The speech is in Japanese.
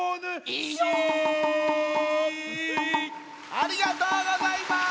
ありがとうございます！